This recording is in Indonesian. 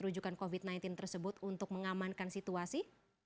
rujukan covid sembilan belas tersebut untuk mengamankan situasi